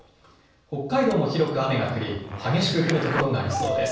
北海道も広く雨が降り激しく降る所がありそうです。